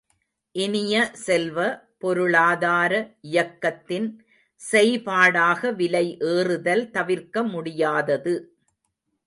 இனிய செல்வ, பொருளாதார இயக்கத்தின் செய்பாடாக விலை ஏறுதல் தவிர்க்க முடியாதது.